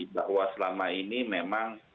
bahwa selama ini memang